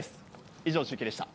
以上、中継でした。